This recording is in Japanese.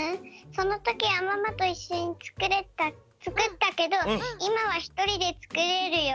そのときはママといっしょにつくったけどいまはひとりでつくれるよ。